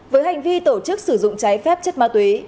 với hành vi tổ chức sử dụng trái phép chất ma túy